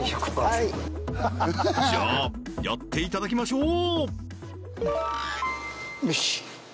はいじゃあやっていただきましょう！